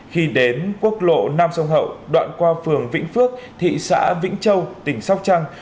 khi đến quốc lộ năm sông hậu đoạn qua phường vĩnh phước thị xã vĩnh châu tỉnh sóc trăng